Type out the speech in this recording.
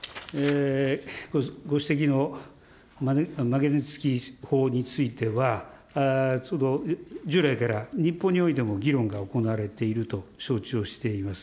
ご指摘のマグニツキー法については、従来から日本においても議論が行われていると承知をしております。